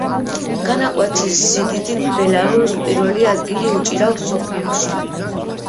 განაკვეთის სიდიდით ბელარუსს პირველი ადგილი უჭირავს მსოფლიოში.